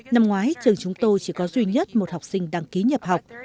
năm ngoái trường chúng tôi chỉ có duy nhất một học sinh đăng ký nhập học